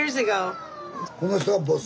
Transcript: この人がボス。